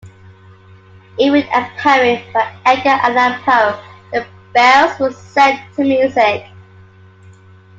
Even a poem by Edgar Allan Poe, "The Bells", was set to music.